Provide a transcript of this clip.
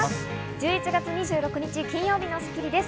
１１月２６日、金曜日の『スッキリ』です。